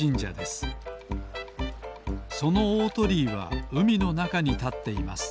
そのおおとりいはうみのなかにたっています